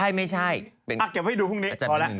อ้าวเกี่ยวให้ดูพรุ่งนี้พอแล้ว